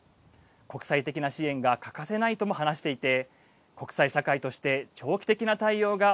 国際的な支援が欠かせないとも話していて国際社会として長期的な対応が